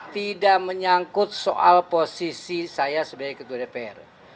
tidak menyangkut soal posisi saya sebagai ketua dpr